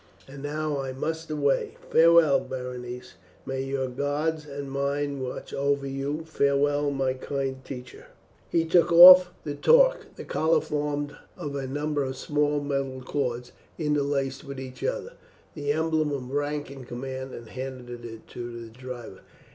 And now I must away. Farewell, Berenice! may your gods and mine watch over you! Farewell, my kind teacher!" He took off the torque, the collar formed of a number of small metal cords interlaced with each other, the emblem of rank and command, and handed it to the driver.